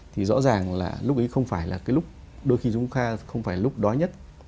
thì rõ ràng là lúc ấy không phải là cái lúc đôi khi chúng ta không phải lúc đó nhất